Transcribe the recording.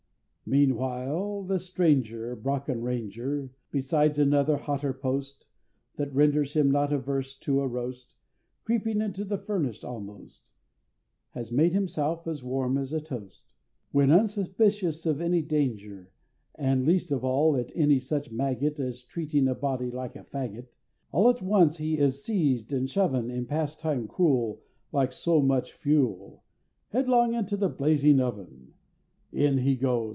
Meanwhile the Stranger The Brocken Ranger, Besides another and hotter post, That renders him not averse to a roast, Creeping into the Furnace almost, Has made himself as warm as a toast When, unsuspicious of any danger, And least of all of any such maggot As treating a body like a faggot, All at once he is seized and shoven In pastime cruel, Like so much fuel, Headlong into the blazing oven! In he goes!